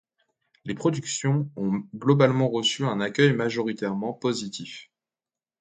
Les productions ont globalement reçu un accueil majoritairement positif.